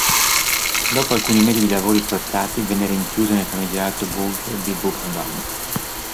Dopo alcuni mesi di lavori forzati, venne rinchiuso nel famigerato “Bunker” di Buchenwald.